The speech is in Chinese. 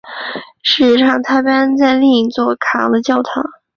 事实上她被安葬在另一座卡昂的教堂。